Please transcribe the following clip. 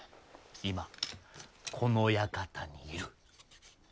今この館にいる。